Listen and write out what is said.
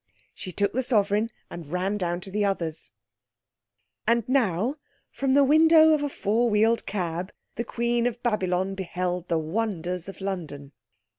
She took the sovereign and ran down to the others. And now from the window of a four wheeled cab the Queen of Babylon beheld the wonders of London.